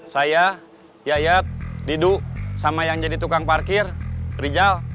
saya yayat didu sama yang jadi tukang parkir rijal